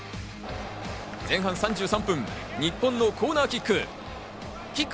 前半３３分、日本のコーナーキック。